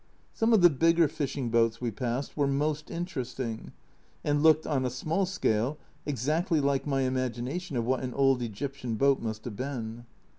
Some of the bigger fishing boats we passed were most interesting, and looked, on a small scale, exactly like my imagination of what an old Egyptian boat must have been.